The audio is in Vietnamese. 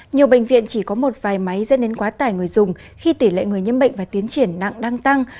nhiều bệnh viện chỉ có một vài máy dẫn đến quá tải người dùng khi tỷ lệ người nhiễm bệnh và tiến triển nặng đang tăng